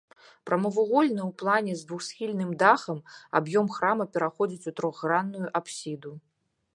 Прамавугольны ў плане з двухсхільным дахам аб'ём храма пераходзіць у трохгранную апсіду.